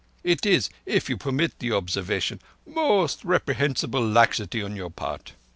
It is, if you permit the observation, most reprehensible laxity on your part.